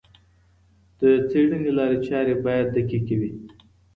د څېړني لارې چارې باید دقیقې وي.